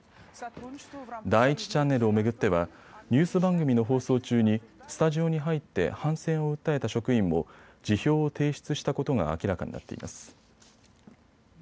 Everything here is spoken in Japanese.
第１チャンネルを巡ってはニュース番組の放送中にスタジオに入って反戦を訴えた職員も辞表を提出したことが明らかになっています。